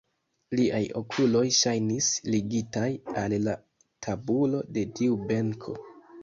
Liaj okuloj ŝajnis ligitaj al la tabulo de tiu benko.